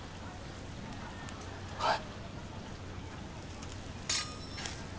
はい。